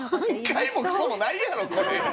挽回もクソもないやろこれ。